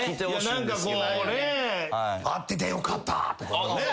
「あっててよかった」とかね。